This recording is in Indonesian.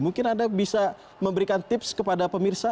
mungkin anda bisa memberikan tips kepada pemirsa